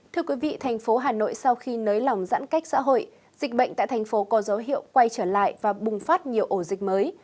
thưa quý vị thành phố hà nội sau khi nới lỏng giãn cách xã hội dịch bệnh tại thành phố có dấu hiệu quay trở lại và bùng phát nhiều ổ dịch mới